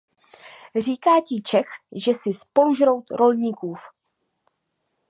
Říká ti Čech, že jsi spolužrout rolníkův.